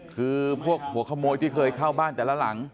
คือพวกหัวขโมยที่เคยเข้าบ้านแต่ละหลัง